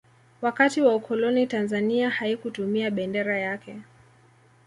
wakati wa ukoloni tanzania haikutumia bendera yake